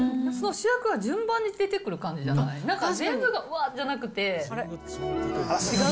主役が順番に出てくる感じじゃない？